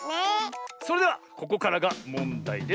それではここからがもんだいです。